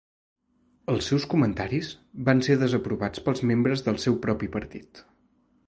Els seus comentaris van ser desaprovats pels membres del seu propi partit.